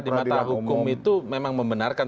di mata hukum itu memang membenarkan